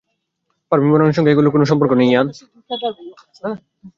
Perfume বানানোর সঙ্গে এগুলোর কোনো সম্পর্ক নেই, ইরফান।